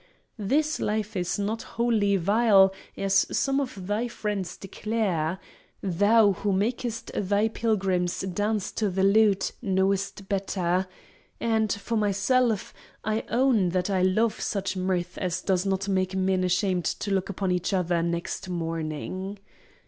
This life is not wholly vile, as some of thy friends declare (Thou, who makest thy pilgrims dance to the lute, knowest better); and, for myself, I own that I love such mirth as does not make men ashamed to look upon each other next morning.